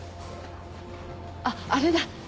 あっあれだ。